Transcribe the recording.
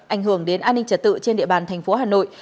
ảnh hưởng đến an ninh trật tự trên địa bàn tp hà nội